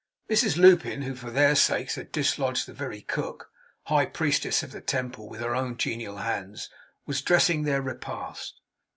Mrs Lupin, who for their sakes had dislodged the very cook, high priestess of the temple, with her own genial hands was dressing their repast.